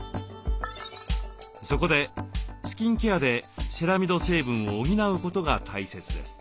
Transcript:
そこでスキンケアでセラミド成分を補うことが大切です。